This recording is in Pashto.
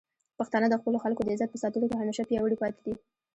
پښتانه د خپلو خلکو د عزت په ساتلو کې همیشه پیاوړي پاتې دي.